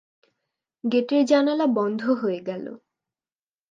গেটের জানালা বন্ধ হয়ে গেল।